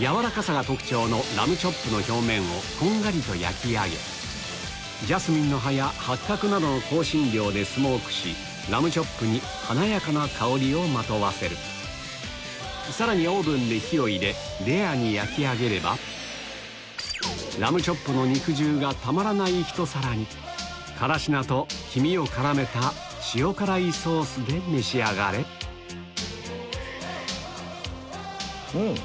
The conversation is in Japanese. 軟らかさが特徴のラムチョップの表面をこんがりと焼き上げ香辛料でスモークしラムチョップに華やかな香りをまとわせるさらにオーブンで火を入れレアに焼き上げればラムチョップの肉汁がたまらないひと皿にからし菜と黄身を絡めた塩辛いソースで召し上がれうん。